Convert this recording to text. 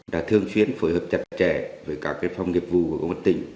đã thương chuyến phối hợp chặt chẽ với các phòng nghiệp vụ của công an tỉnh